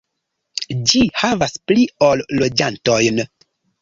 Ĝi havas pli ol loĝantojn.